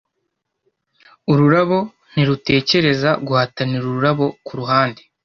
ururabo ntirutekereza guhatanira ururabo kuruhande.